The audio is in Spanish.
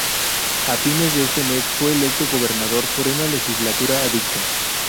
A fines de ese mes, fue electo gobernador por una legislatura adicta.